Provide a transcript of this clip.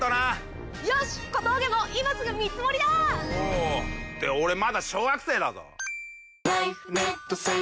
って俺まだ小学生だぞ！